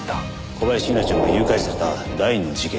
小林優菜ちゃんが誘拐された第二の事件。